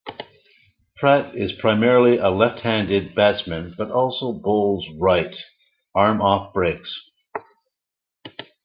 Pratt is primarily a left-handed batsman but also bowls right-arm off breaks.